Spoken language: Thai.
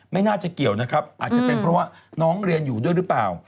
ไม่น่าจะเกี่ยวนะครับอาจจะเป็นเพราะว่าน้องเรียนอยู่ด้วยหรือเปล่า